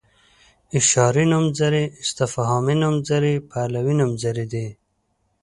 اشاري نومځري استفهامي نومځري پلوي نومځري دي.